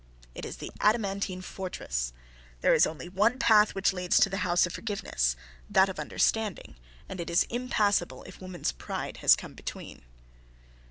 It is the adamantine fortress. There is only one path which leads to the house of forgiveness that of understanding, and it is impassable if woman's pride has come between.